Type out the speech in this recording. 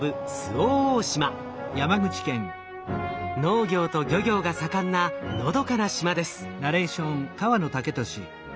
農業と漁業が盛んなのどかな島です。